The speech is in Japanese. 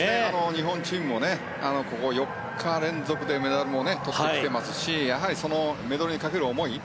日本チームもここ４日連続でメダルもとってきていますしやはり、メドレーにかける思い。